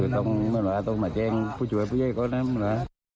ต้องมาแจ้งผู้ช่วยผู้เย็นเขานะ